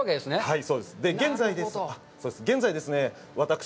はい。